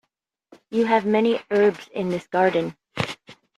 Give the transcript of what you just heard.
You have many herbs in this garden.